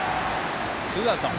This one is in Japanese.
ツーアウト。